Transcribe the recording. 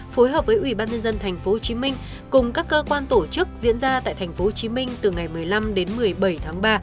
phối hợp với ủy ban nhân dân tp hcm cùng các cơ quan tổ chức diễn ra tại tp hcm từ ngày một mươi năm đến một mươi bảy tháng ba